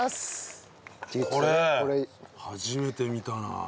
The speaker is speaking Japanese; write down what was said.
これ初めて見たな。